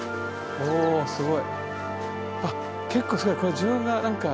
おすごい。